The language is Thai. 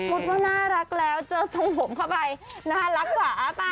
ว่าน่ารักแล้วเจอทรงผมเข้าไปน่ารักกว่าอ้าปาก